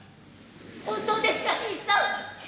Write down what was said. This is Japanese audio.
本当ですか新さん。